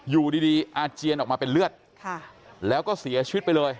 อยู่ดีอาเจียนออกมาเป็นเลือดแล้วก็เสียชีวิตไปเลย